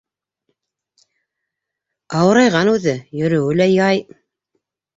Ауырайған үҙе, йөрөүе лә яй.